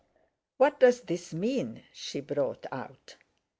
"What does this mean?" she brought out.